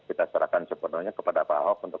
kita serahkan sepenuhnya kepada pak ahok untuk